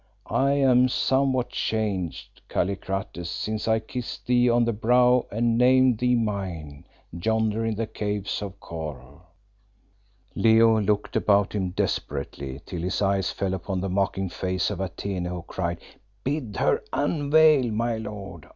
I am somewhat changed, Kallikrates, since I kissed thee on the brow and named thee mine, yonder in the Caves of Kôr." Leo looked about him desperately, till his eyes fell upon the mocking face of Atene, who cried "Bid her unveil, my lord.